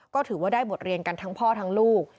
ก็ได้บทเรียนกันทั้งพ่อทั้งลูก